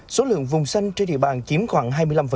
số lượng vùng xanh trên địa bàn chiếm khoảng hai mươi năm